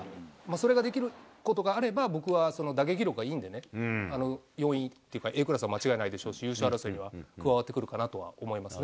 それができることがあれば、僕は、打撃力はいいんでね、というか、僕はＡクラスは間違いないし、優勝争いには加わってくるかなとは思いますね。